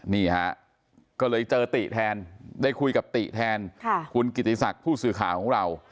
นี่ฮะก็เลยเจอติแทนได้คุยกับติแทนคุณกิติศักดิ์ผู้สื่อข่าวของเรา